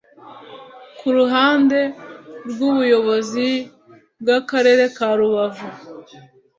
Ku ruhande rw’ubuyobozi bw’Akarere ka Rubavu